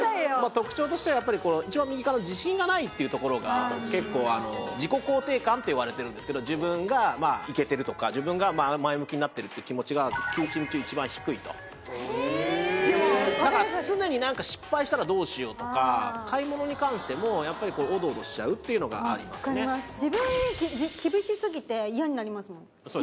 特徴としてはやっぱり一番右側の自信がないというところが「自己肯定感」といわれてるんですけど自分がイケてるとか自分が前向きになってるって気持ちが９チーム中一番低いとだから常に何か失敗したらどうしようとか買い物に関してもおどおどしちゃうっていうのがありますね分かりますえ！？